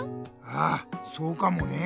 ああそうかもね。